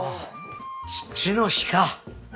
父の日か。